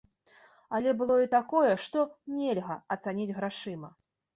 Але было і такое, што нельга ацаніць грашыма.